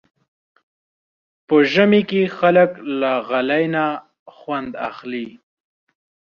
په ژمي کې خلک له غالۍ نه خوند اخلي.